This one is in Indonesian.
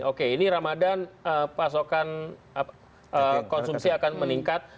jadi ini pasokan ramadhan pasokan konsumsi akan meningkat